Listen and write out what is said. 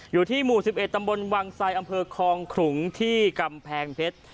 อยู่ที่หมู่สิบเอชตำบลวังไส่อำเพิร์ศคองขุงที่กำแพงเพชร